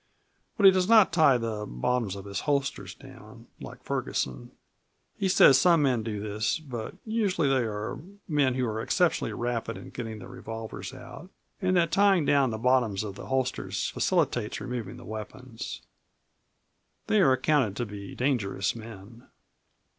But he does not tie the bottoms of his holsters down, like Ferguson; he says some men do this, but usually they are men who are exceptionally rapid in getting their revolvers out and that tying down the bottoms of the holsters facilitates removing the weapons. They are accounted to be dangerous men.